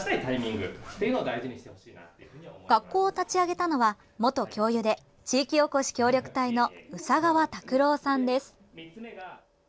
学校を立ち上げたのは元教諭で地域おこし協力隊の宇佐川拓郎さんです。